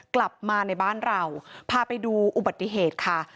กลับมาในบ้านเราพาไปดูอุบัติเหตุค่ะ